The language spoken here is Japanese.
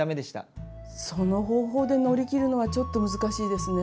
その方法で乗り切るのはちょっと難しいですね。